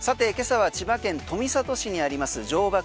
さて今朝は千葉県富里市にあります